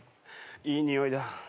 いい匂いだ。